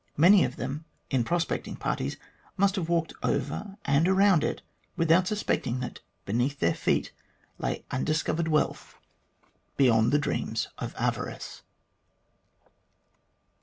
Many of them, in prospecting parties, must have walked over and around it without suspecting that beneath their feet lay undiscovered wealth beyond the dreams of avarice.